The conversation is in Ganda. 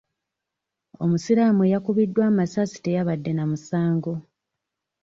Omusiraamu eyakubiddwa amasasi teyabadde na musango.